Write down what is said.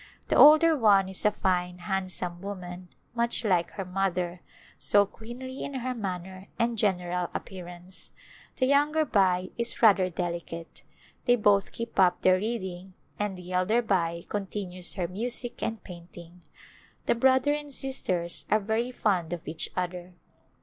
The older one is a fine, handsome woman — much like her mother, so queenly in her manner and general appearance. The younger Bai is rather delicate. They both keep up their reading and the elder Bai continues her music and paint ing. The brother and sisters are very fond of each other.